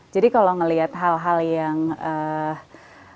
jadi kalau ngelihat hal hal yang mengiris hati gitu itu bisa menarik